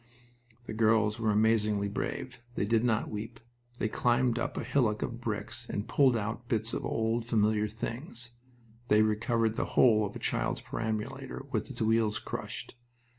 The girls were amazingly brave. They did not weep. They climbed up a hillock of bricks and pulled out bits of old, familiar things. They recovered the whole of a child's perambulator, with its wheels crushed.